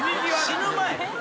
死ぬ前？